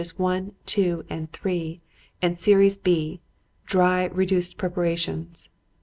1, 2 and 3, and Series B (dry, reduced preparations).